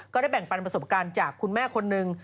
ได้แบ่งปันประสบการณ์จากคุณแม่คนหนึ่ง